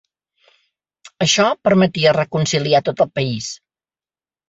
Això permetia reconciliar tot el país.